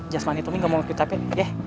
just money tommy gak mau lagi capek yeh